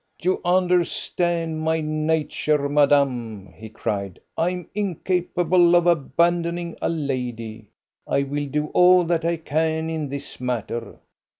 "You understand my nature, madame," he cried. "I am incapable of abandoning a lady. I will do all that I can in this matter.